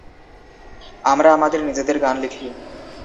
আমরা আমাদের নিজেদের গান লিখি।